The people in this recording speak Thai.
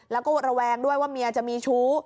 แล้วก็ระแวงด้วยว่าเมียจะมีชู้